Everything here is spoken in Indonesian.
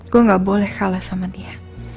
gue gak boleh kalah sama dia